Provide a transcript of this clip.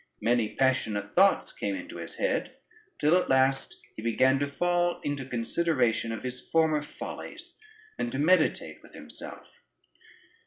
Many passionate thoughts came in his head, till at last he began to fall into consideration of his former follies, and to meditate with himself.